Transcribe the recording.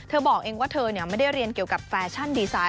บอกเองว่าเธอไม่ได้เรียนเกี่ยวกับแฟชั่นดีไซน์